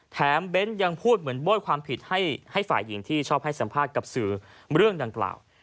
เบ้นยังพูดเหมือนโบ้ยความผิดให้ฝ่ายหญิงที่ชอบให้สัมภาษณ์กับสื่อเรื่องดังกล่าว